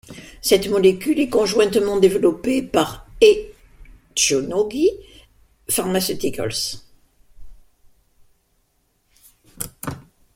Cette molécule est conjointement développée par et Shionogi Pharmaceuticals.